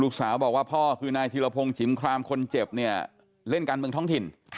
ลูกสาวบอกว่าพ่อคือนายธิรพงศ์ชิมครามคนเจ็บเนี่ยเล่นการเมืองท้องถิ่น